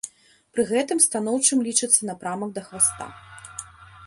Пры гэтым станоўчым лічыцца напрамак да хваста.